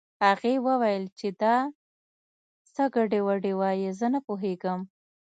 هغې وويل چې دا څه ګډې وډې وايې زه نه پوهېږم